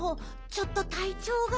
ちょっとたいちょうが。